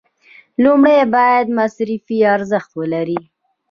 لومړی باید مصرفي ارزښت ولري.